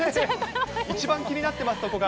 一番気になってます、そこが。